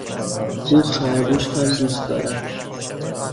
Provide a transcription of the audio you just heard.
او خرگوش هم دوست دارد.